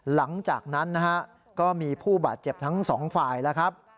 หลังจากนั้นนะฮะก็มีผู้บาดเจ็บทั้งสองฝ่ายแล้วครับ